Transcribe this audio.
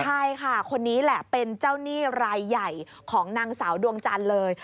ใช่ค่ะคนนี้แหละเป็นเจ้าหนี้รายใหญ่ของนางสาวดวงจันทร์เลย